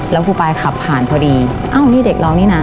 แล้วครูปลายขับผ่านพอดี